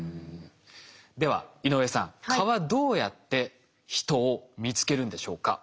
では井上さん蚊はどうやって人を見つけるんでしょうか？